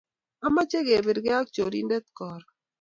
amache kepirkee ak chorindet karun